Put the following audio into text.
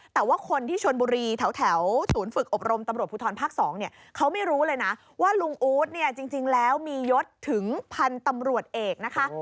แต่ว่าคนที่ชนบุรีแถวศูนย์ฝึกอบรมตำรวจภูทรภาค๒เนี่ยเขาไม่รู้เลยนะว่าลุงอู๊ดเนี่ยจริงแล้วมียศถึงพันธุ์ตำรวจเอกนะคะ